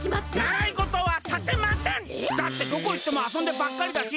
だってどこいってもあそんでばっかりだし